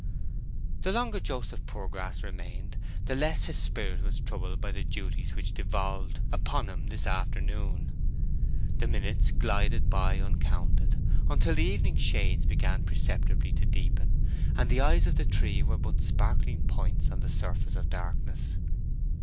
The longer Joseph Poorgrass remained, the less his spirit was troubled by the duties which devolved upon him this afternoon. The minutes glided by uncounted, until the evening shades began perceptibly to deepen, and the eyes of the three were but sparkling points on the surface of darkness.